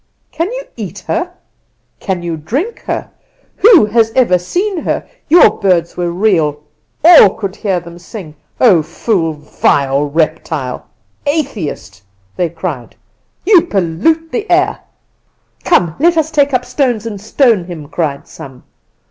Can you eat her? can you drink her? Who has ever seen her? Your birds were real: all could hear them sing! Oh, fool! vile reptile! atheist!' they cried, 'you pollute the air.' "'Come, let us take up stones and stone him,' cried some.